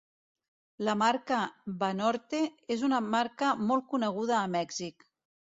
La marca "Banorte" és una marca molt coneguda a Mèxic.